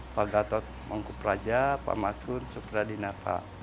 pak gatot mangku praja pak masun soekradinapa